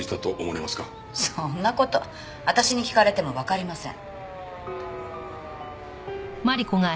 そんな事私に聞かれてもわかりません。